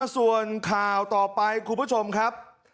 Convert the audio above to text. ส่วนข่าวต่อไปคุณผู้ชมครับ